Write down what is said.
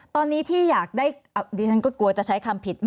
ตอนนี้ที่อยากได้ดิฉันก็กลัวจะใช้คำผิด